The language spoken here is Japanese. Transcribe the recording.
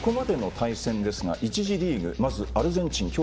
ここまでの対戦ですが１次リーグまず、アルゼンチン